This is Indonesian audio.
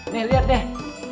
nih lihat deh